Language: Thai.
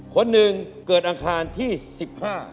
คนหนึ่งเกิดอังคารที่สิบห้า